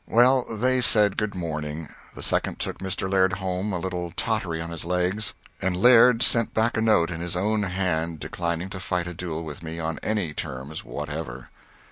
Well, they said good morning. The second took Mr. Laird home, a little tottery on his legs, and Laird sent back a note in his own hand declining to fight a duel with me on any terms whatever.